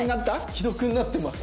既読になってます。